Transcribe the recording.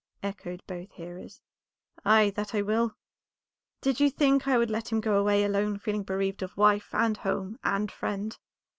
echoed both hearers. "Ay, that I will. Did you think I would let him go away alone feeling bereaved of wife, and home, and friend?"